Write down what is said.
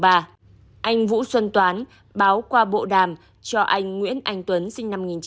anh vũ xuân toán báo qua bộ đàm cho anh nguyễn anh tuấn sinh năm một nghìn chín trăm tám mươi